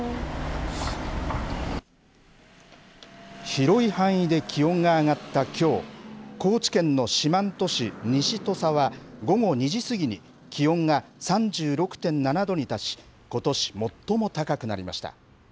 広い範囲で気温が上がったきょう高知県の四万十市西土佐は午後２時過ぎに気温が３６．７度に達しことし最も高くなりました。